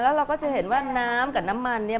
แล้วเราก็จะเห็นว่าน้ำกับน้ำมันเนี่ย